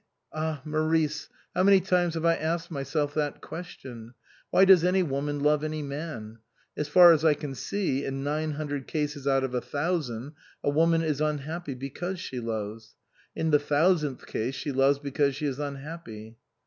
Ah, Maurice, how many times have I asked myself that question? Why does any woman love any man ? As far as I can see, in nine hundred cases out of a thousand a woman is unhappy because she loves. In the thousandth case she loves because she is unhappy."